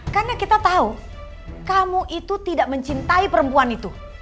karena kita tau kamu itu tidak mencintai perempuan itu